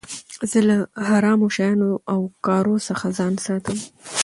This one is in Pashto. زه له حرامو شيانو او کارو څخه ځان ساتم.